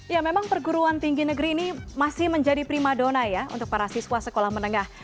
ya memang perguruan tinggi negeri ini masih menjadi prima dona ya untuk para siswa sekolah menengah